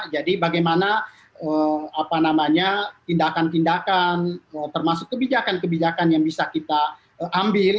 jadi bagaimana apa namanya tindakan tindakan termasuk kebijakan kebijakan yang bisa kita ambil